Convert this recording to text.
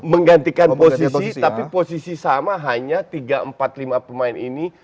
menggantikan posisi tapi posisi sama hanya tiga empat lima pemain ini